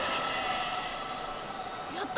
やった！